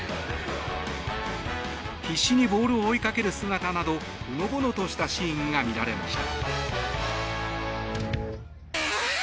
必死にボールを追いかける姿などほのぼのとしたシーンが見られました。